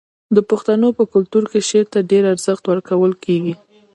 د پښتنو په کلتور کې شعر ته ډیر ارزښت ورکول کیږي.